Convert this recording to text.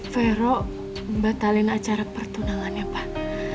vero membatalkan acara pertunangannya pak